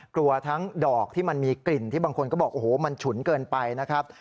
กลัวทั้งดอกที่มันมีกลิ่นที่บางคนก็บอกโอ้โหมันฉุนเกินไปนะครับ